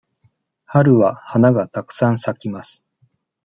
春は花がたくさん咲きます。